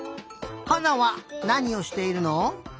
はなはなにをしているの？